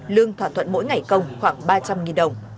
lương thỏa thuận mỗi ngày công khoảng ba trăm linh đồng